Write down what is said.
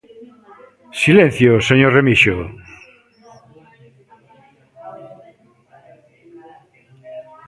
Silencio, señor Remixio.